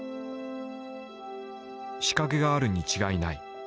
「仕掛けがあるに違いない」。